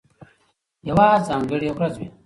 یوه ځانګړې ورځ وي،